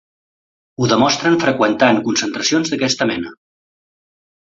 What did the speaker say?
Ho demostren freqüentant concentracions d’aquesta mena.